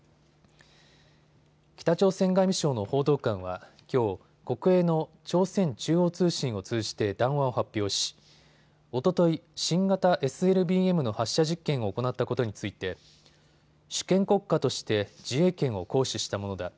北朝鮮外務省の報道官は、きょう国営の朝鮮中央通信を通じて談話を発表しおととい、新型ＳＬＢＭの発射実験を行ったことについて主権国家として自衛権を行使したものだ。